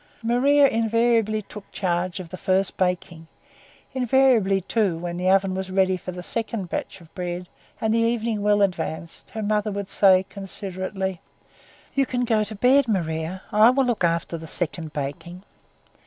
Maria invariably took charge of the first baking; invariably too, when the oven was ready for the second batch of bread and the evening well advanced, her mother would say considerately: "You can go to bed, Maria, I will look after the second baking."